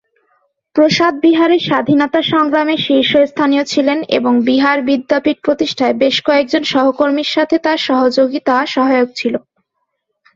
প্রসাদ বিহারের স্বাধীনতা সংগ্রামের শীর্ষস্থানীয় ছিলেন এবং বিহার বিদ্যাপীঠ প্রতিষ্ঠায় বেশ কয়েকজন সহকর্মীর সাথে তাঁর সহযোগিতা সহায়ক ছিল।